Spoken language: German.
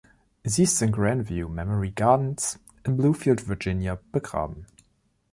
Sie ist in Grandview Memory Gardens in Bluefield, Virginia, begraben.